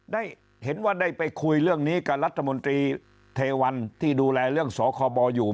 ได้เห็นว่าได้ไปคุยเรื่องนี้กับรัฐมนตรีเทวันที่ดูแลเรื่องสคบอยู่